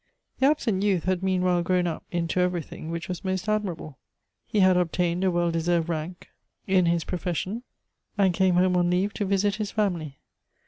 "The absent youth had meanwhile grown up into everything which was most admirable. He had obtained a well deserved rank in his profession, and came home on leave to visit his family.